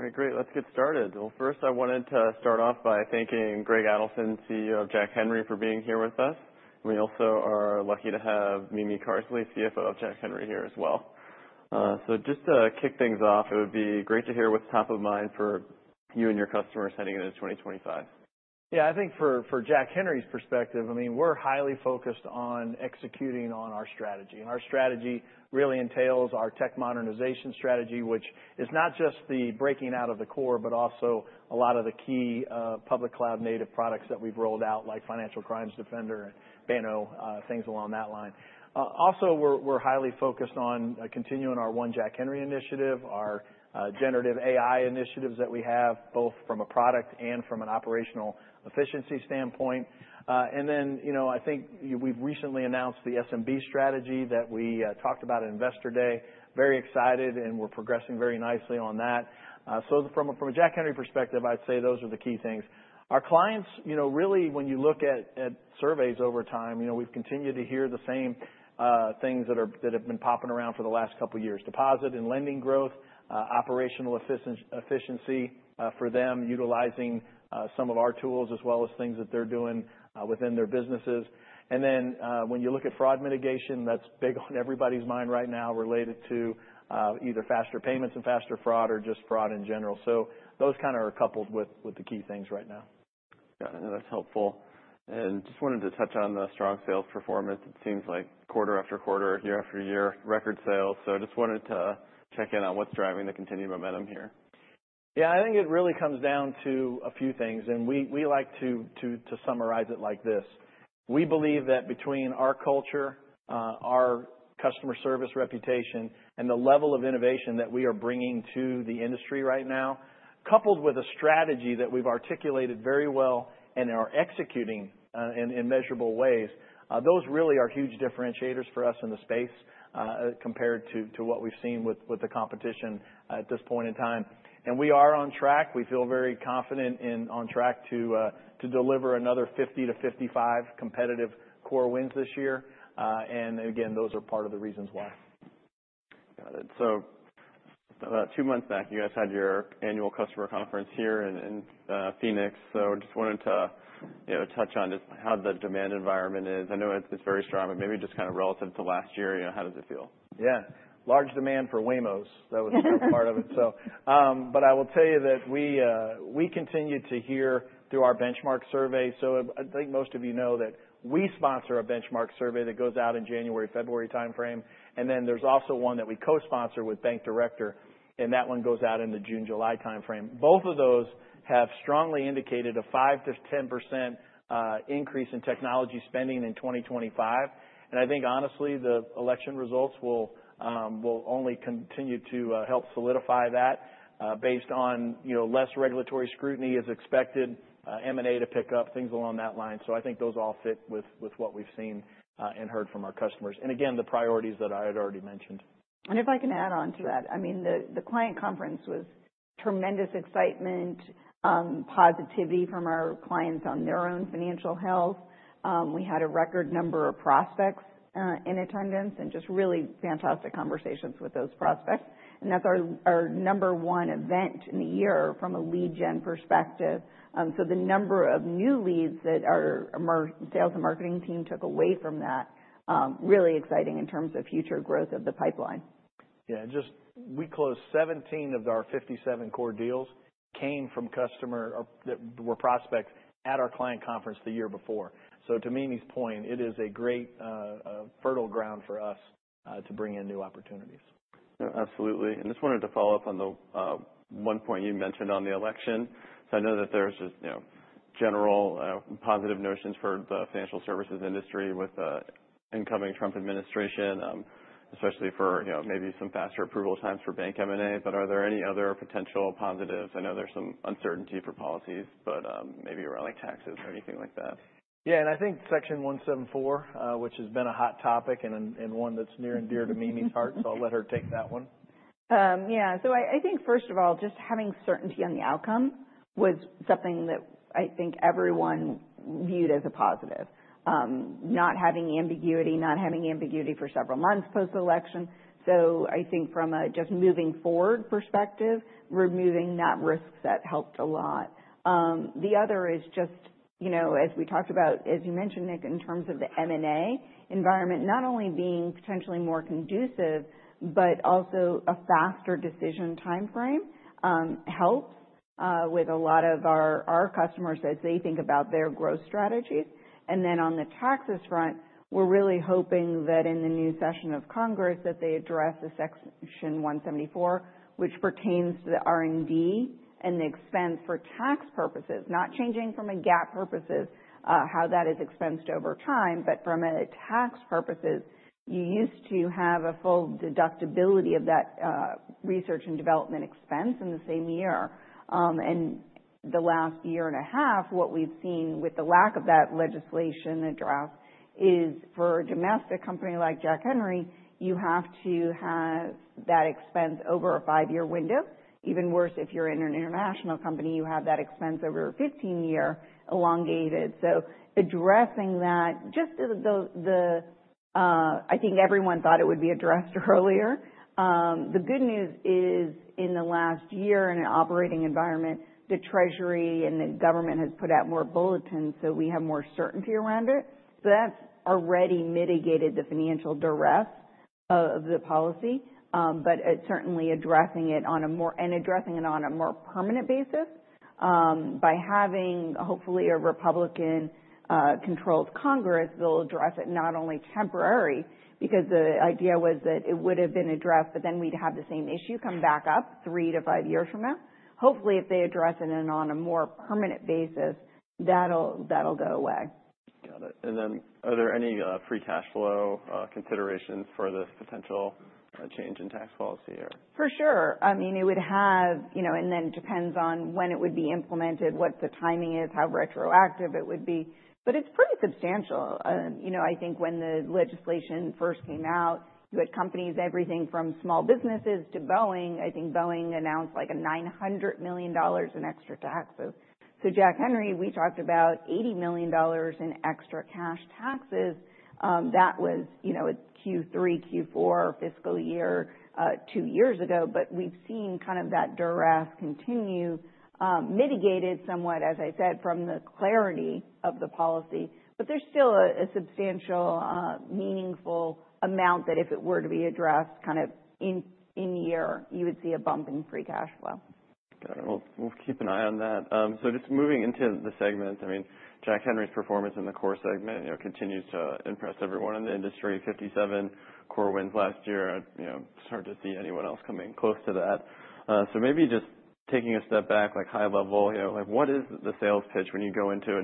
All right, great. Let's get started. Well, first I wanted to start off by thanking Greg Adelson, CEO of Jack Henry, for being here with us. We also are lucky to have Mimi Carsley, CFO of Jack Henry, here as well. So just to kick things off, it would be great to hear what's top of mind for you and your customers heading into 2025. Yeah, I think for Jack Henry's perspective, I mean, we're highly focused on executing on our strategy. Our strategy really entails our tech modernization strategy, which is not just the breaking out of the core, but also a lot of the key public cloud-native products that we've rolled out, like Financial Crimes Defender and Banno, things along that line. We're highly focused on continuing our One Jack Henry initiative, our generative AI initiatives that we have, both from a product and from an operational efficiency standpoint. You know, I think we've recently announced the SMB strategy that we talked about at Investor Day. Very excited, and we're progressing very nicely on that. From a Jack Henry perspective, I'd say those are the key things. Our clients, you know, really when you look at surveys over time, you know, we've continued to hear the same things that have been popping around for the last couple of years: deposit and lending growth, operational efficiency, for them utilizing some of our tools as well as things that they're doing within their businesses. And then, when you look at fraud mitigation, that's big on everybody's mind right now related to either faster payments and faster fraud or just fraud in general. So those kinda are coupled with the key things right now. Got it. No, that's helpful. And just wanted to touch on the strong sales performance. It seems like quarter after quarter, year after year, record sales. So I just wanted to check in on what's driving the continued momentum here? Yeah, I think it really comes down to a few things. We like to summarize it like this: we believe that between our culture, our customer service reputation, and the level of innovation that we are bringing to the industry right now, coupled with a strategy that we've articulated very well and are executing in measurable ways, those really are huge differentiators for us in the space, compared to what we've seen with the competition at this point in time. And we are on track. We feel very confident and on track to deliver another 50 to 55 competitive core wins this year. And again, those are part of the reasons why. Got it. So about two months back, you guys had your annual customer conference here in Phoenix. So just wanted to, you know, touch on just how the demand environment is. I know it's very strong, but maybe just kinda relative to last year, you know, how does it feel? Yeah. Large demand for Waymos. That was part of it. I will tell you that we continue to hear through our benchmark survey. I think most of you know that we sponsor a benchmark survey that goes out in January, February timeframe. Then there's also one that we co-sponsor with Bank Director, and that one goes out in the June, July timeframe. Both of those have strongly indicated a 5%-10% increase in technology spending in 2025. I think, honestly, the election results will only continue to help solidify that, based on, you know, less regulatory scrutiny as expected, M&A to pick up, things along that line. I think those all fit with what we've seen and heard from our customers. Again, the priorities that I had already mentioned. And if I can add on to that, I mean, the client conference was tremendous excitement, positivity from our clients on their own financial health. We had a record number of prospects in attendance and just really fantastic conversations with those prospects. And that's our number one event in the year from a lead gen perspective. So the number of new leads that our sales and marketing team took away from that really exciting in terms of future growth of the pipeline. Yeah. And just, we closed 17 of our 57 core deals came from customers or that were prospects at our client conference the year before. So, to Mimi's point, it is a great, fertile ground for us to bring in new opportunities. No, absolutely. And just wanted to follow up on the one point you mentioned on the election. So I know that there's just you know general positive notions for the financial services industry with the incoming Trump administration, especially for you know maybe some faster approval times for bank M&A. But are there any other potential positives? I know there's some uncertainty for policies, but maybe around like taxes or anything like that. Yeah. And I think Section 174, which has been a hot topic and one that's near and dear to Mimi's heart. So I'll let her take that one. Yeah. So I think first of all, just having certainty on the outcome was something that I think everyone viewed as a positive. Not having ambiguity for several months post-election. So I think from a just moving forward perspective, removing that risk set helped a lot. The other is just, you know, as we talked about, as you mentioned, Nick, in terms of the M&A environment, not only being potentially more conducive, but also a faster decision timeframe, helps with a lot of our customers as they think about their growth strategies. Then on the taxes front, we're really hoping that in the new session of Congress that they address the Section 174, which pertains to the R&D and the expense for tax purposes, not changing from a GAAP purposes, how that is expensed over time, but from a tax purposes, you used to have a full deductibility of that, research and development expense in the same year. And the last year and a half, what we've seen with the lack of that legislation being addressed is for a domestic company like Jack Henry, you have to have that expense over a five-year window. Even worse, if you're in an international company, you have that expense over a 15-year period. So addressing that, just the, I think everyone thought it would be addressed earlier. The good news is in the last year in an operating environment, the Treasury and the government has put out more bulletins, so we have more certainty around it. So that's already mitigated the financial duress of, of the policy. But certainly addressing it on a more permanent basis, by having hopefully a Republican-controlled Congress, they'll address it not only temporary because the idea was that it would've been addressed, but then we'd have the same issue come back up three to five years from now. Hopefully, if they address it on a more permanent basis, that'll go away. Got it. And then are there any free cash flow considerations for this potential change in tax policy or? For sure. I mean, it would have, you know, and then it depends on when it would be implemented, what the timing is, how retroactive it would be. But it's pretty substantial. You know, I think when the legislation first came out, you had companies, everything from small businesses to Boeing. I think Boeing announced like a $900 million in extra taxes. So Jack Henry, we talked about $80 million in extra cash taxes. That was, you know, a Q3, Q4 fiscal year, two years ago. But we've seen kind of that duress continue, mitigated somewhat, as I said, from the clarity of the policy. But there's still a substantial, meaningful amount that if it were to be addressed kind of in the year, you would see a bump in free cash flow. Got it. We'll keep an eye on that. So just moving into the segment, I mean, Jack Henry's performance in the core segment, you know, continues to impress everyone in the industry. 57 core wins last year. You know, it's hard to see anyone else coming close to that. So maybe just taking a step back, like high level, you know, like what is the sales pitch when you go into a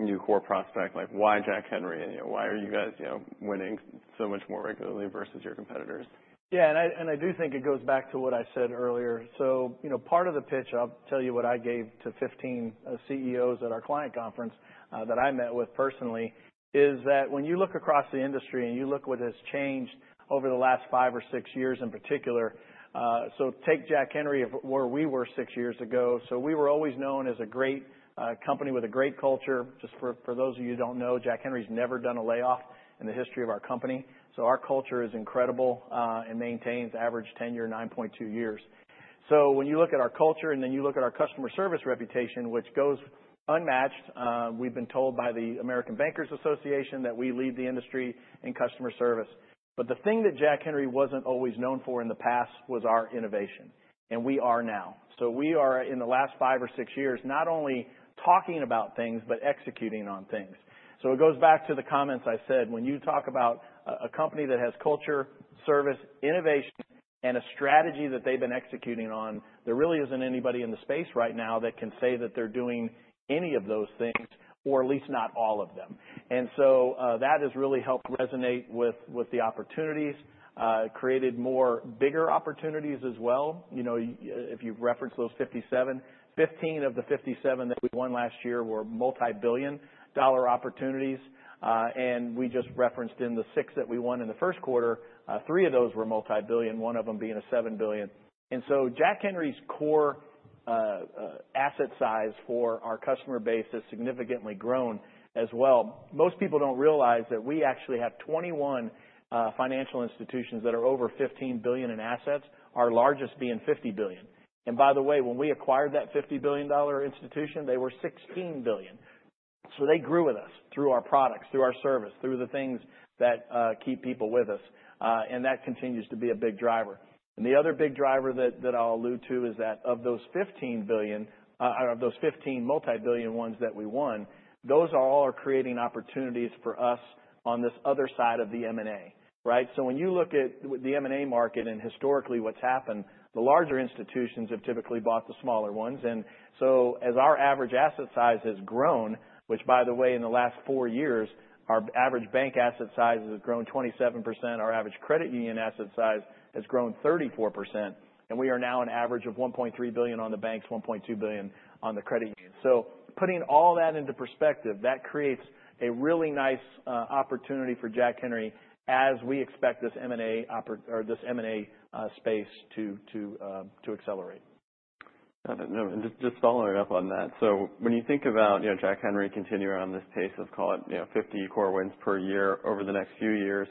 new core prospect? Like why Jack Henry? You know, why are you guys, you know, winning so much more regularly versus your competitors? Yeah, and I do think it goes back to what I said earlier. So, you know, part of the pitch, I'll tell you what I gave to 15 CEOs at our client conference, that I met with personally is that when you look across the industry and you look what has changed over the last five or six years in particular, so take Jack Henry or where we were six years ago. So we were always known as a great company with a great culture. Just for those of you who don't know, Jack Henry's never done a layoff in the history of our company. So our culture is incredible, and maintains average tenure 9.2 years. So when you look at our culture and then you look at our customer service reputation, which goes unmatched, we've been told by the American Bankers Association that we lead the industry in customer service. But the thing that Jack Henry wasn't always known for in the past was our innovation. And we are now. So we are in the last five or six years not only talking about things, but executing on things. So it goes back to the comments I said. When you talk about a company that has culture, service, innovation, and a strategy that they've been executing on, there really isn't anybody in the space right now that can say that they're doing any of those things or at least not all of them. And so, that has really helped resonate with the opportunities, created more bigger opportunities as well. You know, you, if you've referenced those 57, 15 of the 57 that we won last year were multi-billion dollar opportunities, and we just referenced in the six that we won in the first quarter, three of those were multi-billion, one of them being a $7 billion. So Jack Henry's core asset size for our customer base has significantly grown as well. Most people don't realize that we actually have 21 financial institutions that are over $15 billion in assets, our largest being $50 billion. And by the way, when we acquired that $50 billion institution, they were $16 billion. So they grew with us through our products, through our service, through the things that keep people with us, and that continues to be a big driver. And the other big driver that I'll allude to is that of those $15 billion, or of those 15 multi-billion ones that we won, those are all creating opportunities for us on this other side of the M&A, right? So when you look at the M&A market and historically what's happened, the larger institutions have typically bought the smaller ones. And so as our average asset size has grown, which by the way, in the last four years, our average bank asset size has grown 27%. Our average credit union asset size has grown 34%. And we are now an average of $1.3 billion on the banks, $1.2 billion on the credit union. So putting all that into perspective, that creates a really nice opportunity for Jack Henry as we expect this M&A opportunity or this M&A space to accelerate. Got it. No, and just following up on that. So when you think about, you know, Jack Henry continuing on this pace of, call it, you know, 50 core wins per year over the next few years,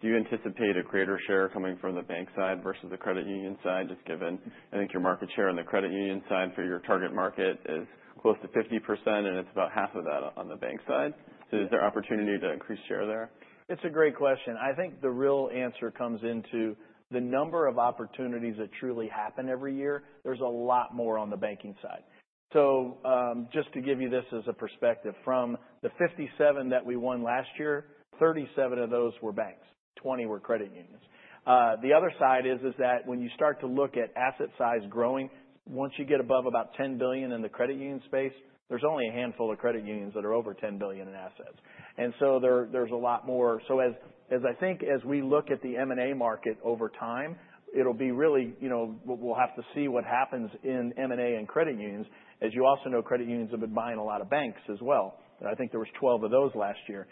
do you anticipate a greater share coming from the bank side versus the credit union side just given, I think, your market share on the credit union side for your target market is close to 50% and it's about half of that on the bank side? So is there opportunity to increase share there? It's a great question. I think the real answer comes into the number of opportunities that truly happen every year. There's a lot more on the banking side. So, just to give you this as a perspective, from the 57 that we won last year, 37 of those were banks, 20 were credit unions. The other side is, is that when you start to look at asset size growing, once you get above about $10 billion in the credit union space, there's only a handful of credit unions that are over $10 billion in assets. And so there, there's a lot more. So as, as I think, as we look at the M&A market over time, it'll be really, you know, we'll, we'll have to see what happens in M&A and credit unions. As you also know, credit unions have been buying a lot of banks as well. I think there was 12 of those last year.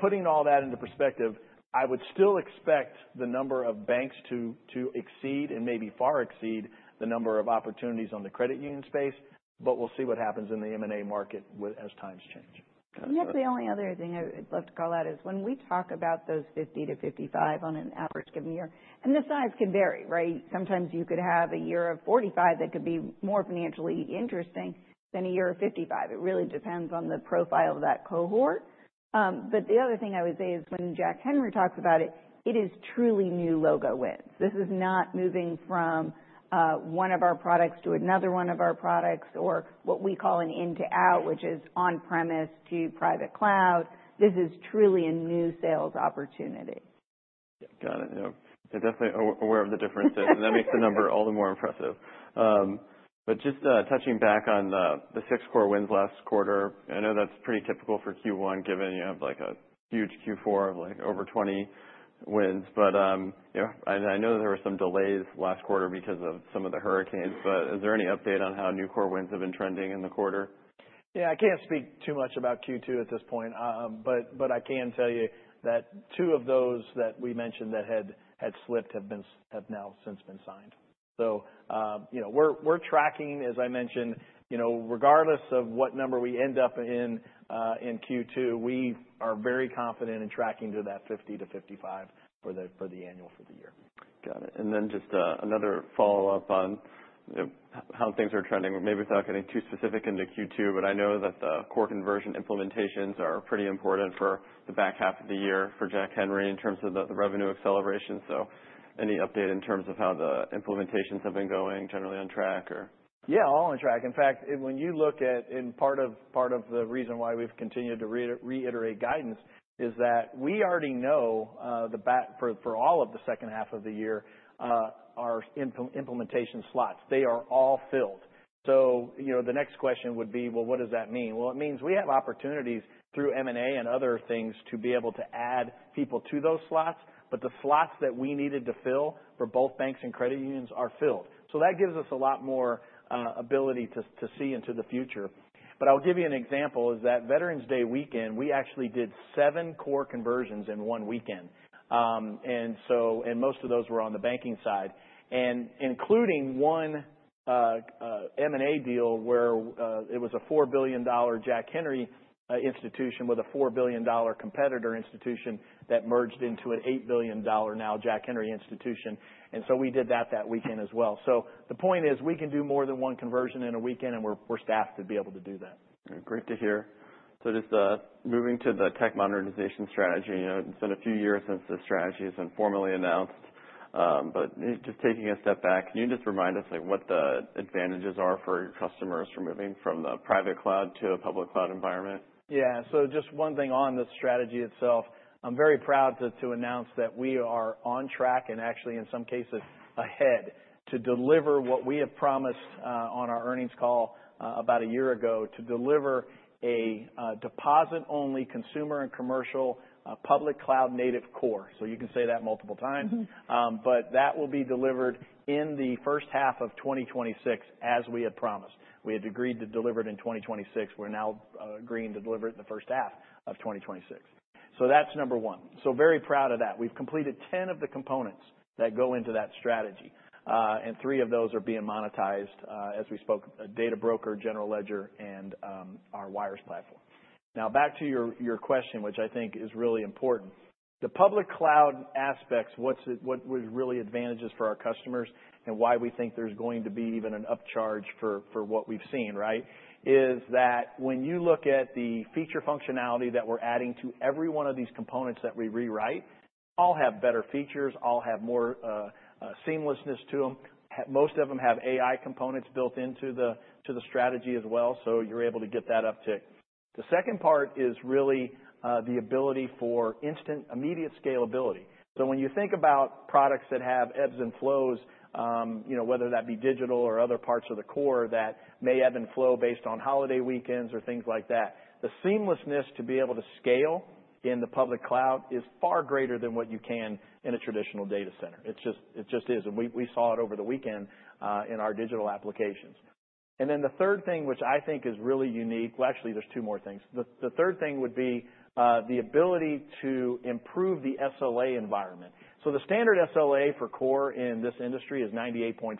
Putting all that into perspective, I would still expect the number of banks to, to exceed and maybe far exceed the number of opportunities on the credit union space, but we'll see what happens in the M&A market as times change. That's the only other thing I would love to call out is when we talk about those 50-55 on an average given year, and the size can vary, right? Sometimes you could have a year of 45 that could be more financially interesting than a year of 55. It really depends on the profile of that cohort. But the other thing I would say is when Jack Henry talks about it, it is truly new logo wins. This is not moving from one of our products to another one of our products or what we call an in-to-out, which is on-premise to private cloud. This is truly a new sales opportunity. Yeah. Got it. No, I'm definitely aware of the difference. And that makes the number all the more impressive. But just, touching back on the six core wins last quarter, I know that's pretty typical for Q1 given you have like a huge Q4 of like over 20 wins. But, you know, I know there were some delays last quarter because of some of the hurricanes, but is there any update on how new core wins have been trending in the quarter? Yeah. I can't speak too much about Q2 at this point, but I can tell you that two of those that we mentioned that had slipped have now since been signed. So, you know, we're tracking, as I mentioned, you know, regardless of what number we end up in Q2, we are very confident in tracking to that 50 to 55 for the annual for the year. Got it. And then just another follow-up on, you know, how things are trending, maybe without getting too specific into Q2, but I know that the core conversion implementations are pretty important for the back half of the year for Jack Henry in terms of the revenue acceleration. So any update in terms of how the implementations have been going, generally on track or? Yeah, all on track. In fact, when you look at, and part of the reason why we've continued to reiterate guidance is that we already know the backlog for all of the second half of the year, our implementation slots, they are all filled. So, you know, the next question would be, well, what does that mean? Well, it means we have opportunities through M&A and other things to be able to add people to those slots, but the slots that we needed to fill for both banks and credit unions are filled. So that gives us a lot more ability to see into the future, but I'll give you an example, that is, Veterans Day weekend, we actually did seven core conversions in one weekend. And so, most of those were on the banking side, including one M&A deal where it was a $4 billion Jack Henry institution with a $4 billion competitor institution that merged into an $8 billion now Jack Henry institution. And so we did that weekend as well. So the point is we can do more than one conversion in a weekend and we're staffed to be able to do that. Great to hear. So just, moving to the tech modernization strategy, you know, it's been a few years since the strategy has been formally announced. But just taking a step back, can you just remind us, like, what the advantages are for customers for moving from the private cloud to a public cloud environment? Yeah. So just one thing on the strategy itself, I'm very proud to announce that we are on track and actually in some cases ahead to deliver what we have promised on our earnings call about a year ago to deliver a deposit-only consumer and commercial public cloud native core. So you can say that multiple times. Mm-hmm. But that will be delivered in the first half of 2026 as we had promised. We had agreed to deliver it in 2026. We're now agreeing to deliver it in the first half of 2026. So that's number one. So very proud of that. We've completed 10 of the components that go into that strategy, and three of those are being monetized, as we spoke, Data Broker, General Ledger, and our Wires platform. Now back to your question, which I think is really important. The public cloud aspects, what's what was really advantages for our customers and why we think there's going to be even an upcharge for what we've seen, right, is that when you look at the feature functionality that we're adding to every one of these components that we rewrite, all have better features, all have more seamlessness to them. Most of them have AI components built into the, to the strategy as well. So you're able to get that up tick. The second part is really, the ability for instant immediate scalability. So when you think about products that have ebbs and flows, you know, whether that be digital or other parts of the core that may ebb and flow based on holiday weekends or things like that, the seamlessness to be able to scale in the public cloud is far greater than what you can in a traditional data center. It's just, it just is. And we, we saw it over the weekend, in our digital applications. And then the third thing, which I think is really unique, well, actually there's two more things. The, the third thing would be, the ability to improve the SLA environment. So the standard SLA for core in this industry is 98.5%.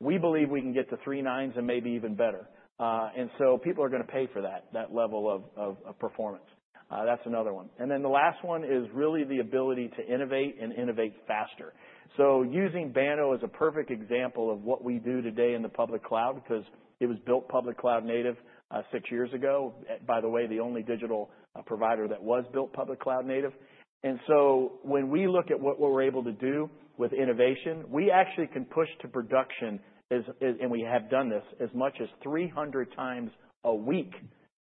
We believe we can get to three nines and maybe even better. And so people are gonna pay for that, that level of performance. That's another one. And then the last one is really the ability to innovate and innovate faster. So using Banno is a perfect example of what we do today in the public cloud because it was built public cloud native, six years ago. By the way, the only digital provider that was built public cloud native. And so when we look at what we're able to do with innovation, we actually can push to production, and we have done this as much as 300x a week.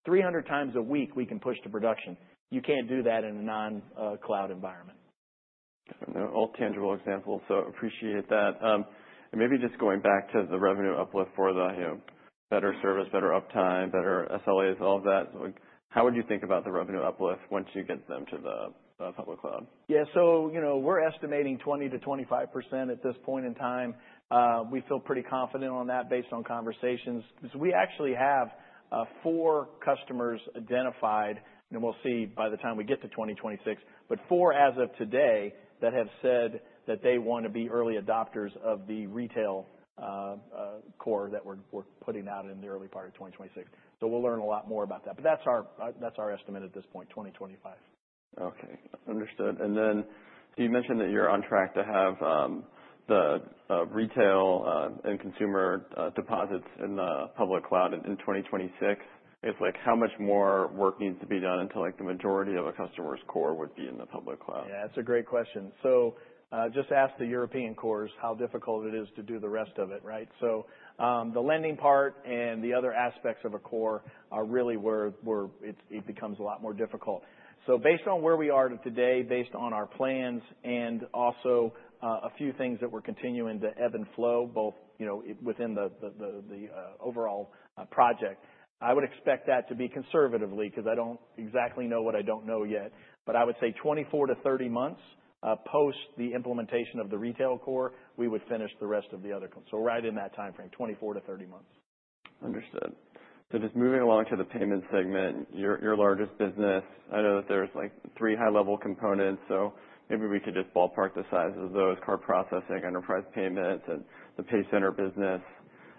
300x a week we can push to production. You can't do that in a non-cloud environment. Got it. No, all tangible examples. So appreciate that. And maybe just going back to the revenue uplift for the, you know, better service, better uptime, better SLAs, all of that, how would you think about the revenue uplift once you get them to the, the public cloud? Yeah. So, you know, we're estimating 20%-25% at this point in time. We feel pretty confident on that based on conversations because we actually have four customers identified, and we'll see by the time we get to 2026, but four as of today that have said that they want to be early adopters of the retail core that we're putting out in the early part of 2026. So we'll learn a lot more about that. But that's our estimate at this point, 2025. Okay. Understood. And then you mentioned that you're on track to have the retail and consumer deposits in the public cloud in 2026. It's like how much more work needs to be done until like the majority of a customer's core would be in the public cloud? Yeah. That's a great question. So, just ask the European cores how difficult it is to do the rest of it, right? So, the lending part and the other aspects of a core are really where it's, it becomes a lot more difficult. So based on where we are today, based on our plans and also, a few things that we're continuing to ebb and flow both, you know, within the overall project, I would expect that to be conservatively because I don't exactly know what I don't know yet. But I would say 24-30 months, post the implementation of the retail core, we would finish the rest of the other core. So right in that timeframe, 24-30 months. Understood. So just moving along to the payment segment, your largest business, I know that there's like three high-level components. So maybe we could just ballpark the size of those: card processing, enterprise payments, and the PayCenter business.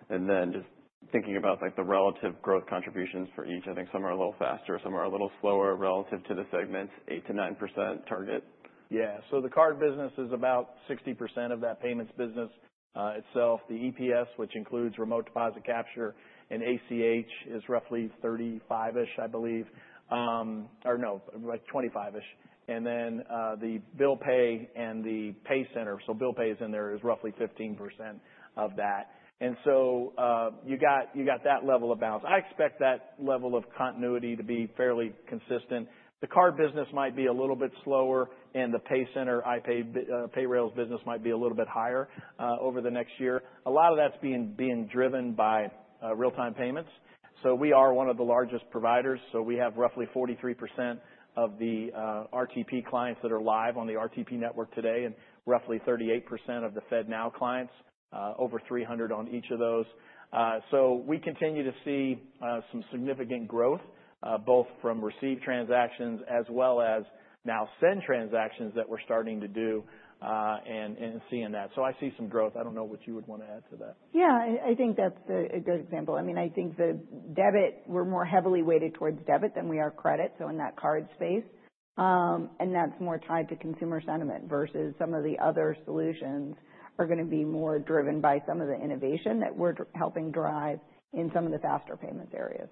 And then just thinking about like the relative growth contributions for each, I think some are a little faster, some are a little slower relative to the segments, 8%-9% target. Yeah. So the card business is about 60% of that payments business, itself. The EPS, which includes remote deposit capture and ACH, is roughly 35-ish%, I believe, or no, like 25-ish%. Then, the bill pay and the PayCenter, so bill pay is in there, is roughly 15% of that. And so, you got that level of balance. I expect that level of continuity to be fairly consistent. The card business might be a little bit slower and the PayCenter, iPay and Payrailz business might be a little bit higher, over the next year. A lot of that's being driven by real-time payments, so we are one of the largest providers, so we have roughly 43% of the RTP clients that are live on the RTP network today and roughly 38% of the FedNow clients, over 300 on each of those. We continue to see some significant growth, both from received transactions as well as now send transactions that we're starting to do, and seeing that. So I see some growth. I don't know what you would want to add to that. Yeah. I think that's a good example. I mean, I think the debit, we're more heavily weighted towards debit than we are credit. So in that card space, and that's more tied to consumer sentiment versus some of the other solutions are gonna be more driven by some of the innovation that we're helping drive in some of the faster payments areas.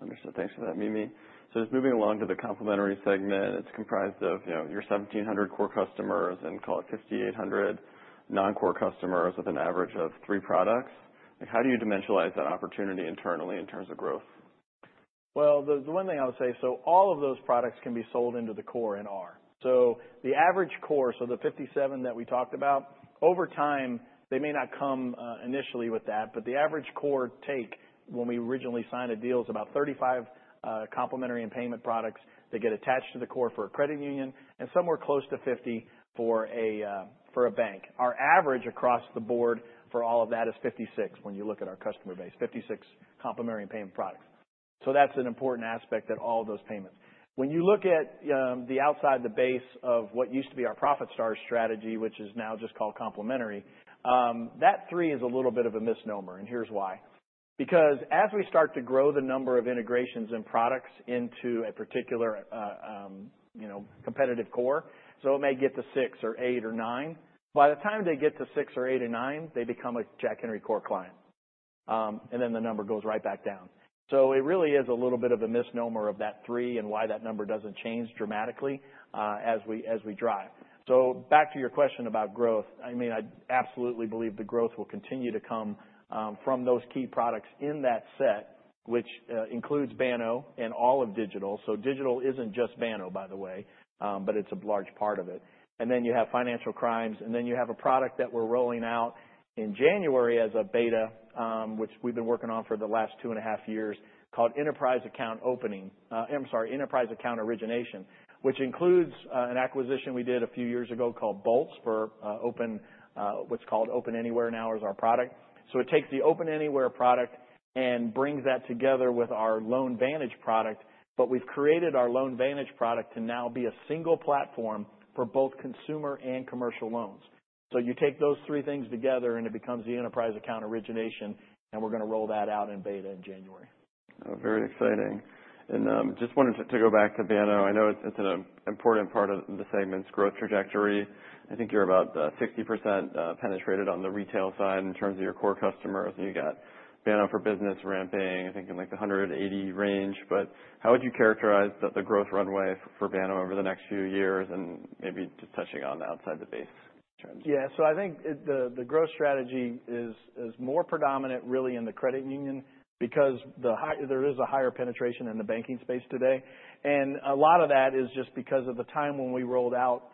Understood. Thanks for that, Mimi. So just moving along to the complementary segment, it's comprised of, you know, your 1,700 core customers and call it 5,800 non-core customers with an average of three products. Like how do you dimensionalize that opportunity internally in terms of growth? The one thing I would say, so all of those products can be sold into the core, and our. So the average core, the 57 that we talked about, over time, they may not come initially with that, but the average core take when we originally signed a deal is about 35 complementary and payment products that get attached to the core for a credit union and somewhere close to 50 for a bank. Our average across the board for all of that is 56 when you look at our customer base, 56 complementary and payment products. So that's an important aspect of all of those payments. When you look at the outside of the base of what used to be our ProfitStars strategy, which is now just called complementary, that three is a little bit of a misnomer. Here's why. Because as we start to grow the number of integrations and products into a particular, you know, competitive core, so it may get to six or eight or nine. By the time they get to six or eight or nine, they become a Jack Henry core client, and then the number goes right back down. So it really is a little bit of a misnomer of that three and why that number doesn't change dramatically, as we drive. So back to your question about growth, I mean, I absolutely believe the growth will continue to come from those key products in that set, which includes Banno and all of digital. So digital isn't just Banno, by the way, but it's a large part of it. Then you have financial crimes, and then you have a product that we're rolling out in January as a beta, which we've been working on for the last two and a half years called enterprise account opening. I'm sorry, Enterprise Account Origination, which includes an acquisition we did a few years ago called Bolts for open. What's called OpenAnywhere now is our product. So it takes the OpenAnywhere product and brings that together with our LoanVantage product, but we've created our LoanVantage product to now be a single platform for both consumer and commercial loans. So you take those three things together and it becomes the Enterprise Account Origination, and we're gonna roll that out in beta in January. Oh, very exciting, and just wanted to go back to Banno. I know it's an important part of the segment's growth trajectory. I think you're about 60% penetrated on the retail side in terms of your core customers, and you got Banno business ramping, I think in like the 180 range. But how would you characterize the growth runway for Banno over the next few years and maybe just touching on outside the base terms? Yeah. So I think the growth strategy is more predominant really in the credit union because there is a higher penetration in the banking space today. And a lot of that is just because of the time when we rolled out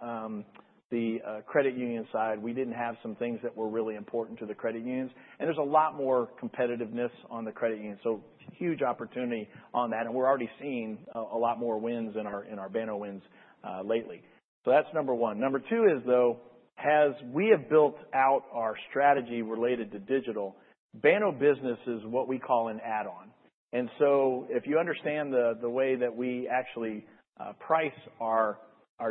the credit union side, we didn't have some things that were really important to the credit unions. And there's a lot more competitiveness on the credit union. So huge opportunity on that. And we're already seeing a lot more wins in our Banno wins lately. So that's number one. Number two is though, as we have built out our strategy related to digital, Banno Business is what we call an add-on. And so if you understand the way that we actually price our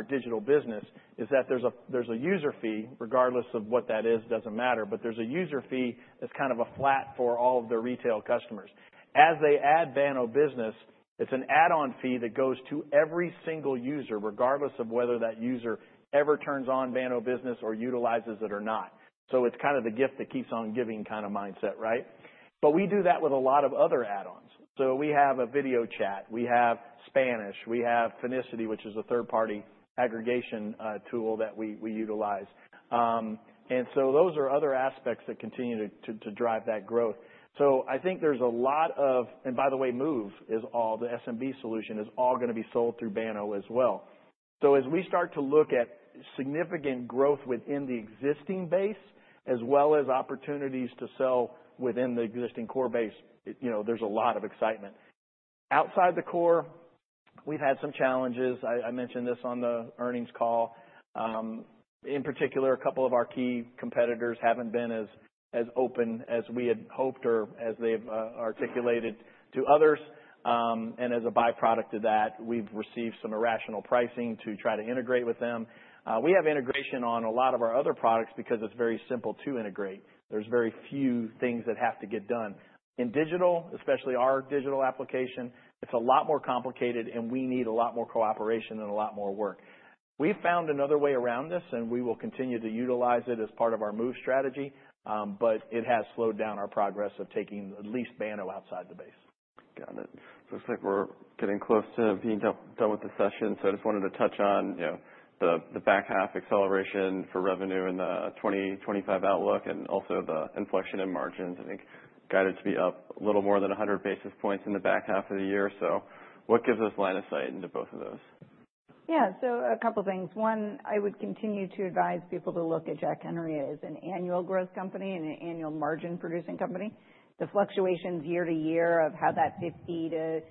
digital business is that there's a user fee regardless of what that is, doesn't matter, but there's a user fee that's kind of a flat for all of the retail customers. As they add Banno business, it's an add-on fee that goes to every single user regardless of whether that user ever turns on Banno business or utilizes it or not. So it's kind of the gift that keeps on giving kind of mindset, right? But we do that with a lot of other add-ons. So we have a video chat, we have Spanish, we have Finicity, which is a third-party aggregation tool that we utilize. And so those are other aspects that continue to drive that growth. So I think there's a lot of, and by the way, Moov is all the SMB solution is all gonna be sold through Banno as well. So as we start to look at significant growth within the existing base as well as opportunities to sell within the existing core base, you know, there's a lot of excitement. Outside the core, we've had some challenges. I mentioned this on the earnings call. In particular, a couple of our key competitors haven't been as open as we had hoped or as they've articulated to others. And as a byproduct of that, we've received some irrational pricing to try to integrate with them. We have integration on a lot of our other products because it's very simple to integrate. There's very few things that have to get done. In digital, especially our digital application, it's a lot more complicated and we need a lot more cooperation and a lot more work. We've found another way around this and we will continue to utilize it as part of our Moov strategy, but it has slowed down our progress of taking at least Banno outside the base. Got it. Looks like we're getting close to being done with the session. So I just wanted to touch on, you know, the back half acceleration for revenue and the 2025 outlook and also the inflection in margins. I think guided to be up a little more than 100 basis points in the back half of the year. So what gives us line of sight into both of those? Yeah. So a couple of things. One, I would continue to advise people to look at Jack Henry as an annual growth company and an annual margin producing company. The fluctuations year to year of how that 50-55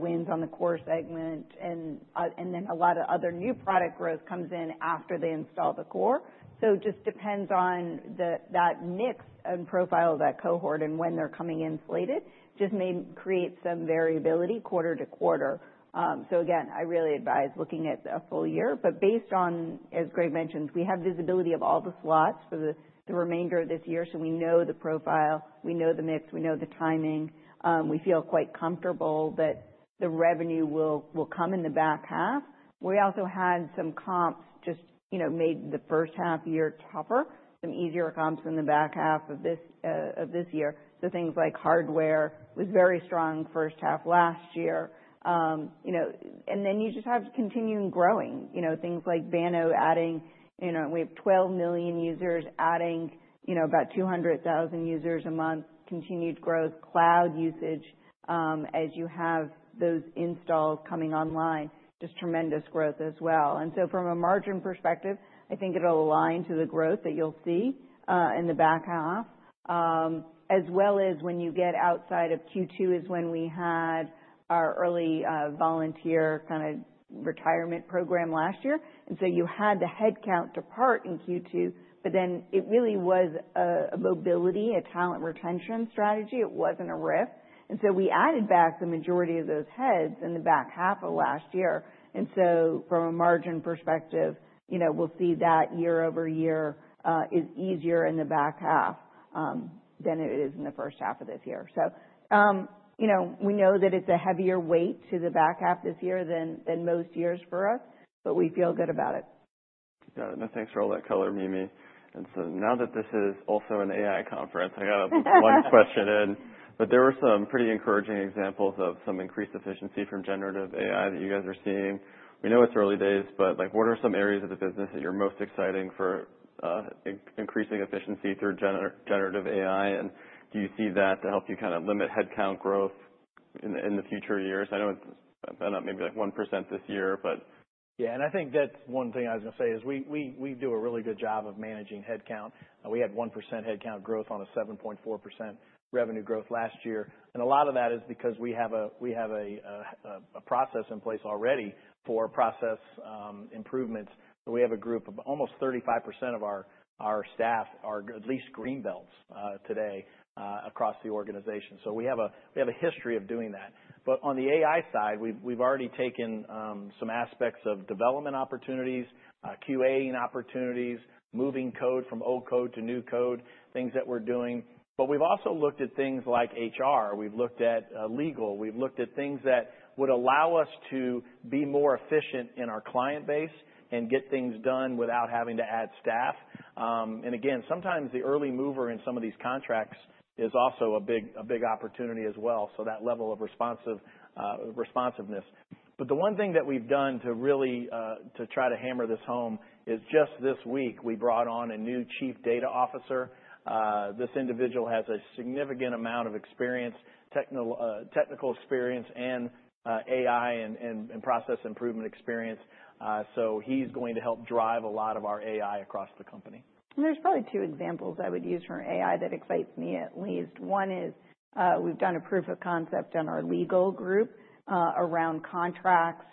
wins on the core segment and then a lot of other new product growth comes in after they install the core. So it just depends on the, that mix and profile of that cohort and when they're coming in, it just may create some variability quarter to quarter. So again, I really advise looking at a full year, but based on, as Greg mentioned, we have visibility of all the slots for the remainder of this year. So we know the profile, we know the mix, we know the timing. We feel quite comfortable that the revenue will come in the back half. We also had some comps just, you know, made the first half year tougher, some easier comps in the back half of this year, so things like hardware was very strong first half last year. You know, and then you just have continuing growing, you know, things like Banno adding, you know, we have 12 million users adding, you know, about 200,000 users a month, continued growth, cloud usage, as you have those installs coming online, just tremendous growth as well. And so from a margin perspective, I think it'll align to the growth that you'll see in the back half, as well as when you get outside of Q2 is when we had our early volunteer kind of retirement program last year. And so you had the headcount drop in Q2, but then it really was a mobility, talent retention strategy. It wasn't a riff, and so we added back the majority of those heads in the back half of last year. And so from a margin perspective, you know, we'll see that year over year is easier in the back half than it is in the first half of this year. So, you know, we know that it's a heavier weight to the back half this year than most years for us, but we feel good about it. Got it. And thanks for all that color, Mimi. And so now that this is also an AI conference, I got a one question in, but there were some pretty encouraging examples of some increased efficiency from generative AI that you guys are seeing. We know it's early days, but like what are some areas of the business that you're most exciting for, increasing efficiency through generative AI? And do you see that to help you kind of limit head count growth in the future years? I know it's, I don't know, maybe like 1% this year, but. Yeah. And I think that's one thing I was gonna say is we do a really good job of managing head count. We had 1% head count growth on a 7.4% revenue growth last year. And a lot of that is because we have a process in place already for process improvements. We have a group of almost 35% of our staff are at least Green Belts today across the organization. So we have a history of doing that. But on the AI side, we've already taken some aspects of development opportunities, QA-ing opportunities, moving code from old code to new code, things that we're doing. But we've also looked at things like HR. We've looked at legal. We've looked at things that would allow us to be more efficient in our client base and get things done without having to add staff. And again, sometimes the early mover in some of these contracts is also a big opportunity as well. So that level of responsiveness. But the one thing that we've done to try to hammer this home is just this week we brought on a new Chief Data Officer. This individual has a significant amount of experience, technical experience and AI and process improvement experience. So he's going to help drive a lot of our AI across the company. There's probably two examples I would use for AI that excites me at least. One is, we've done a proof of concept on our legal group, around contracts,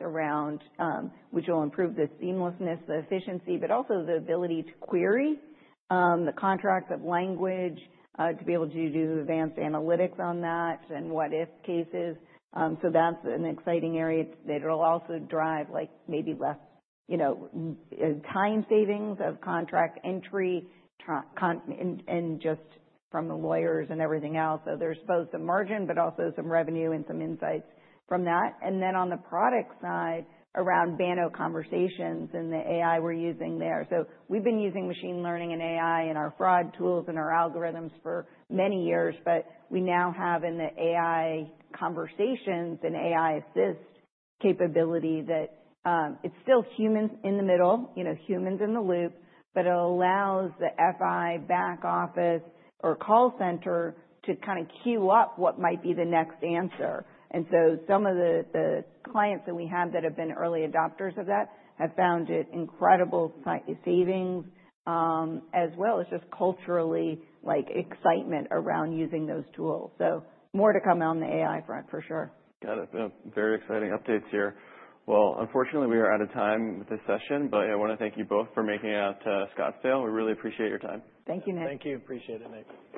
which will improve the seamlessness, the efficiency, but also the ability to query the contracts' language, to be able to do advanced analytics on that and what-if cases. So that's an exciting area that'll also drive like maybe less, you know, time savings of contract entry, transaction, and just from the lawyers and everything else. So there's both some margin, but also some revenue and some insights from that. And then on the product side around Banno Conversations and the AI we're using there. So we've been using machine learning and AI in our fraud tools and our algorithms for many years, but we now have in the AI conversations and AI Assist capability that, it's still humans in the middle, you know, humans in the loop, but it allows the FI back office or call center to kind of queue up what might be the next answer. And so some of the clients that we have that have been early adopters of that have found it incredible savings, as well as just culturally like excitement around using those tools. So more to come on the AI front for sure. Got it. Very exciting updates here. Well, unfortunately, we are out of time with this session, but I wanna thank you both for making it out to Scottsdale. We really appreciate your time. Thank you, Nick. Thank you. Appreciate it, Nick.